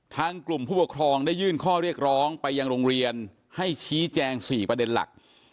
ทางกลุ่มผู้ปกครองได้ยื่นข้อเรียกร้องไปยังโรงเรียนให้ชี้แจง๔ประเด็นหลัก